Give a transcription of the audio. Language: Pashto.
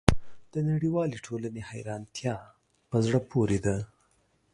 د نړیوالې ټولنې حیرانتیا په زړه پورې ده.